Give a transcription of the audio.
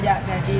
ya senang sih